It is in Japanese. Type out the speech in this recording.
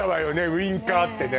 「ウインカー」ってね